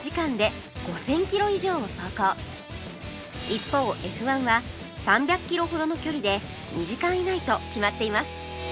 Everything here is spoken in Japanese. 一方 Ｆ１ は３００キロほどの距離で２時間以内と決まっています